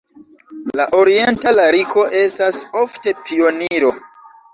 La orienta lariko estas ofte pioniro.